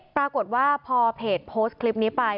ปรากฏว่าพอเพจโพสต์คลิปนี้ไป